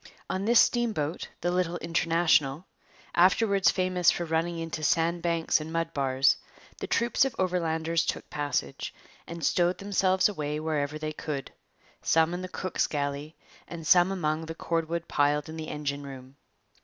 On this steamboat, the little International, afterwards famous for running into sand banks and mud bars, the troops of Overlanders took passage, and stowed themselves away wherever they could, some in the cook's galley and some among the cordwood piled in the engine room.